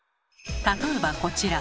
例えばこちら。